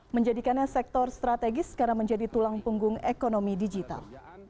menjadikannya sektor strategis karena menjadi tulang punggung ekonomi digital